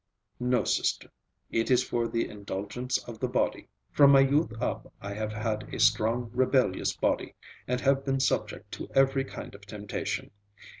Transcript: "No, sister. It is for the indulgence of the body. From my youth up I have had a strong, rebellious body, and have been subject to every kind of temptation.